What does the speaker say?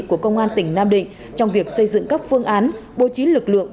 của công an tỉnh nam định trong việc xây dựng các phương án bố trí lực lượng